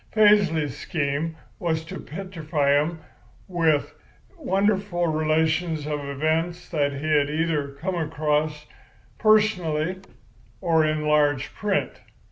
Paisley's scheme was to petrify 'em with wonderful relations of events that he had either come across personally or in large print.